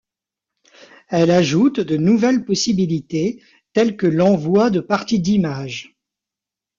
Elle ajoute de nouvelles possibilités telles que l'envoi de parties d'images.